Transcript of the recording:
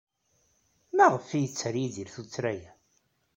Maɣef ay yetter Yidir tuttra-a?